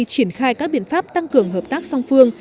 triển khai các biện pháp tăng cường hợp tác song phương